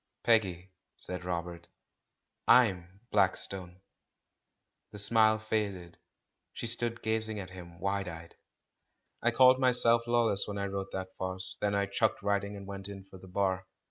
"Peggy," said Robert; "Fm Blackstone." The smile faded; she stood gazing at him wide eyed. "I called myself 'Lawless' when I wrote that farce, and then I chucked writing and went in for the Bar.